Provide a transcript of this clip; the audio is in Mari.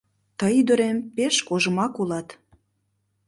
Тый, ӱдырем, пеш кожмак улат.